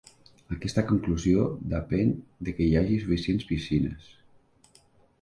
Aquesta conclusió depèn de que hi hagi suficients piscines.